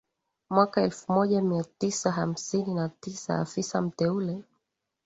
mwaka elfu moja mia tisa hamsini na tisa afisa mteule